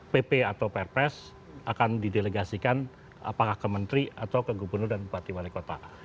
pp atau perpres akan didelegasikan apakah ke menteri atau ke gubernur dan bupati wali kota